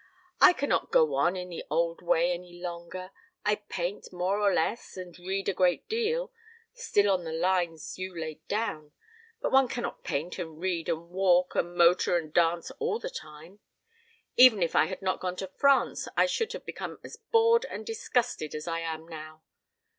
I cannot go on in the old way any longer. I paint more or less and read a great deal still on the lines you laid down. But one cannot paint and read and walk and motor and dance all the time. Even if I had not gone to France I should have become as bored and disgusted as I am now.